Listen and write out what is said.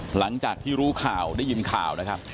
หลังจากที่รู้ข่าวได้ยินข่าวนะครับ